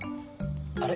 あれ？